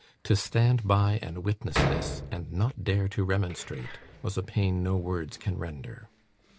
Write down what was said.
To stand by and witness this, and not dare to remonstrate, was a pain no words can render."